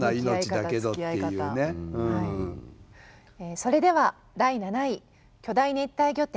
それでは第７位「巨大熱帯魚店